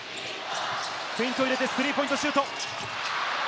フェイントを入れてスリーポイントシュート。